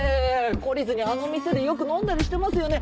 懲りずにあの店でよく飲んだりしてますよね！